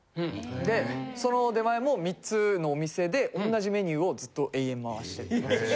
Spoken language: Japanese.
でその出前も３つのお店で同じメニューをずっと延々回してますし。